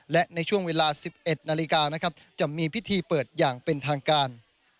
และในช่วงเวลา๑๑นาฬิกานะครับจะมีพิธีเปิดอย่างเป็นทางการ